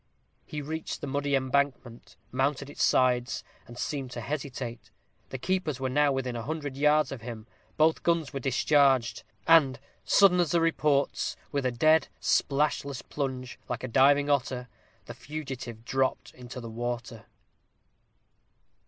He reached the muddy embankment; mounted its sides; and seemed to hesitate. The keepers were now within a hundred yards of him. Both guns were discharged. And, sudden as the reports, with a dead, splashless plunge, like a diving otter, the fugitive dropped into the water.